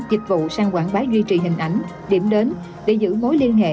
dịch vụ sang quảng bá duy trì hình ảnh điểm đến để giữ mối liên hệ